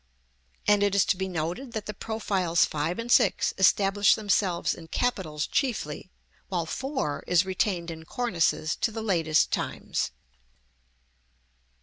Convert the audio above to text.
And it is to be noted that the profiles 5 and 6 establish themselves in capitals chiefly, while 4 is retained in cornices to the latest times.